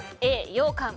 Ａ、ようかん